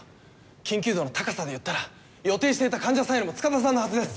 緊急度の高さでいったら予定していた患者さんよりも塚田さんのはずです。